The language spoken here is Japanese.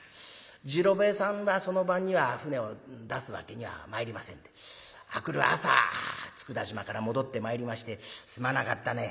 次郎兵衛さんはその晩には舟を出すわけにはまいりませんで明くる朝佃島から戻ってまいりまして「すまなかったね。